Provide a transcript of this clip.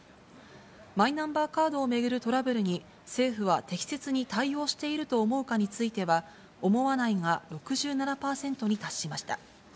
マイナンバーカードを巡るトラブルに、政府は適切に対応していると思うかについては、思わないが６７％に達しました。